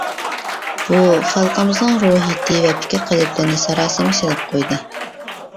بۇ خەلقىمىزنىڭ روھىيىتى ۋە پىكىر قېلىپلىرىنى ساراسىمىگە سېلىپ قويدى.